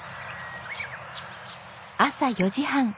朝４時半。